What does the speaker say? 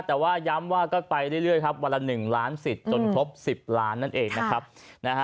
แต่ก็ไปเรื่อยวันละ๑ล้านสิทธิ์จนครบ๑๐ล้าน